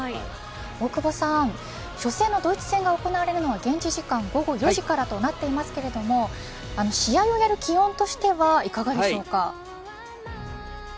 大久保さん初戦のドイツ戦が行われるのは現地時間午後４時からとなっていますけれど試合をやる気温としてはいかがでしょうか。